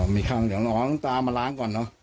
อ๋อมีข้างเดี๋ยวหรือตามาล้างก่อนเนอะ